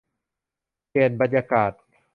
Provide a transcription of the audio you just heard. เปลี่ยนบรรยากาศ